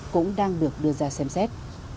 cũng đang được đưa ra xem xét